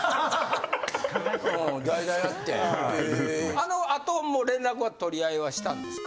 あの後連絡は取り合いはしたんですか？